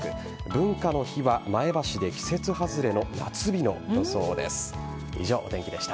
文化の日は、前橋で季節外れの夏日の予想です。